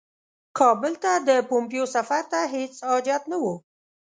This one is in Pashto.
کابل ته د پومپیو سفر ته هیڅ حاجت نه وو.